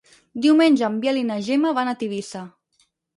Diumenge en Biel i na Gemma van a Tivissa.